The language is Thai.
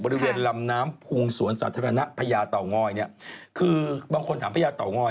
คือบางคนถามพญาเต่าง้อยเนี่ย